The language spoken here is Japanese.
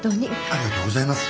ありがとうございます。